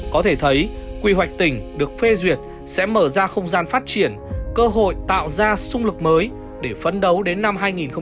có thể thấy quy hoạch tỉnh được phê duyệt sẽ mở ra không gian phát triển cơ hội tạo ra sung lực mới để phấn đấu đến năm hai nghìn ba mươi